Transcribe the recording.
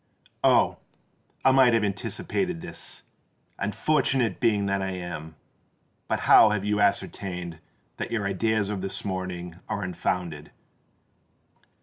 "Oh! I might have anticipated this—unfortunate being that I am! But how have you ascertained that your ideas of this morning are unfounded?